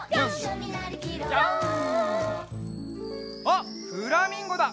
あっフラミンゴだ！